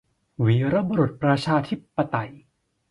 วีรบุรุษประชาธิปไตย